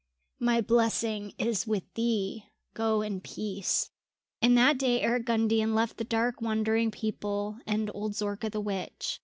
My blessing is with thee. Go in peace." And that day Eric Gundian left the dark wandering people and old Zorka the witch.